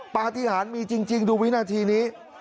ปฏิหารมีจริงดูวินาทีนี้